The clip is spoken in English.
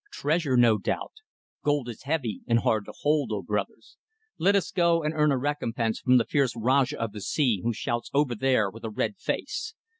Treasure, no doubt. Gold is heavy and hard to hold, O Brothers! Let us go and earn a recompense from the fierce Rajah of the Sea who shouts over there, with a red face.